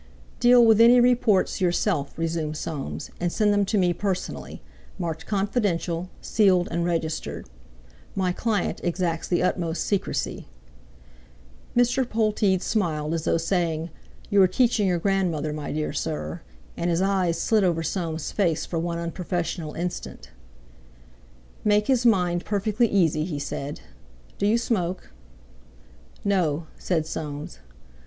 "Deal with any reports yourself," resumed Soames, "and send them to me personally, marked confidential, sealed and registered. My client exacts the utmost secrecy." Mr. Polteed smiled, as though saying, "You are teaching your grandmother, my dear sir;" and his eyes slid over Soames' face for one unprofessional instant. "Make his mind perfectly easy," he said. "Do you smoke?" "No," said Soames.